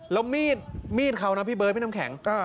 แล้วมีดเขานะพี่เบิร์ดพี่น้ำแข็ง